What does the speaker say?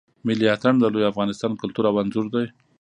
ملی آتڼ د لوی افغانستان کلتور او آنځور دی.